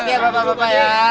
nah kakek bapak bapak ya